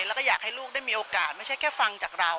แล้วก็อยากให้ลูกได้มีโอกาสไม่ใช่แค่ฟังจากเรา